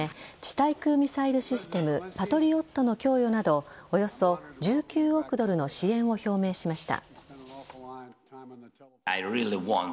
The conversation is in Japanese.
対空ミサイルシステムパトリオットの供与などをおよそ１９億ドルの支援を表明しました。